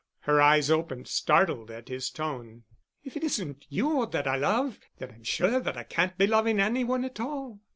Her eyes opened, startled at his tone. "If it isn't you that I love, then I'm sure that I can't be loving any one at all."